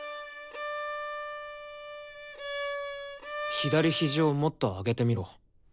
左肘をもっと上げてみろ。